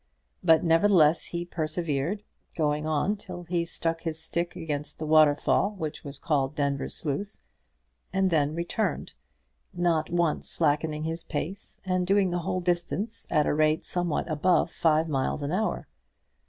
But nevertheless, he persevered, going on till he struck his stick against the waterfall which was called Denvir Sluice, and then returned, not once slackening his pace, and doing the whole distance at a rate somewhat above five miles an hour.